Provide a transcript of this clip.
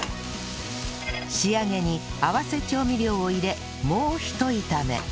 仕上げに合わせ調味料を入れもうひと炒め